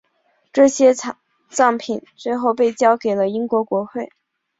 这些藏品最后被交给了英国国会。